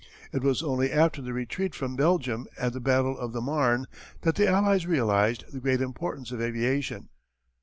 "It was only after the retreat from Belgium and the battle of the Marne that the Allies realized the great importance of aviation.